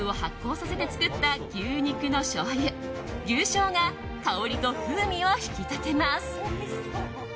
黒毛和牛を発酵させて作った牛肉のしょうゆ、牛醤が香りと風味を引き立てます。